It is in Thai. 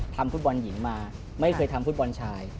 ทำฟุตบอลหญิงมาไม่เคยทำฟุตบอลชาย